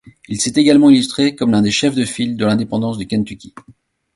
Il s'est également illustré comme l'un des chefs de file de l'indépendance du Kentucky.